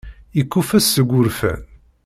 Yekkuffet seg wurfan.